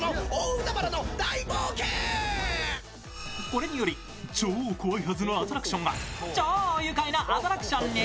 これにより超怖いはずのアトラクションが超愉快なアトラクションに。